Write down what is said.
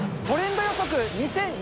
トレンド予測２０２２。